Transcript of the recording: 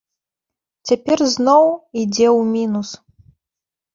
Цяпер зноў ідзе ў мінус.